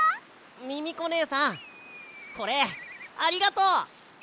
ミミコねえさんこれありがとう！